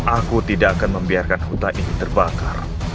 aku tidak akan membiarkan hutan ini terbakar